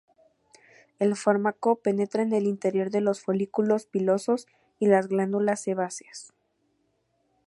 El fármaco penetra en el interior de los folículos pilosos y las glándulas sebáceas.